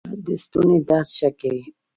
شات د ستوني درد ښه کوي